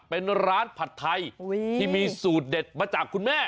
เป็นร้านผัดไทยที่มีสูตรเด็ดมาจากคุณแม่